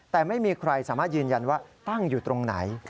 แต่ไม่มีใครสามารถยืนยันว่าตั้งอยู่ตรงไหน